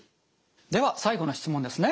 では最後の質問ですね。